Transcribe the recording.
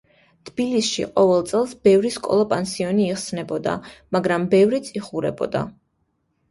თბილისში ყოველ წელს ბევრი სკოლა-პანსიონი იხსნებოდა, მაგრამ ბევრიც იხურებოდა.